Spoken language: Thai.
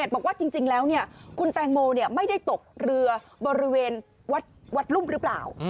บอกว่าจริงแล้วคุณแตงโมไม่ได้ตกเรือบริเวณวัดรุ่มหรือเปล่า